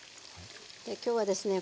今日はですね